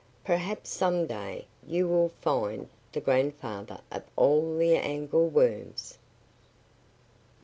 Perhaps some day you will find the grandfather of all the angleworms!"